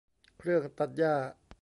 เครื่องตัดหญ้า